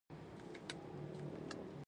آیا د کرکټ اقتصاد وده کړې؟